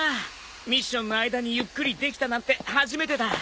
ミッションの間にゆっくりできたなんて初めてだ。